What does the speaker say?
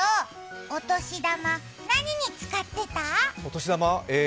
お年玉何に使ってた？